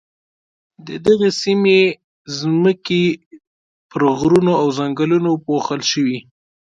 د دغې سیمې ځمکې پر غرونو او ځنګلونو پوښل شوې.